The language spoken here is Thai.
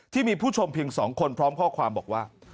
ที่มีผู้ชมเพียง๒คนพร้อมข้อความบอกว่า